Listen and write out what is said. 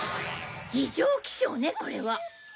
異常気象ねこれは。